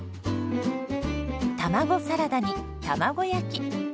卵サラダに卵焼き。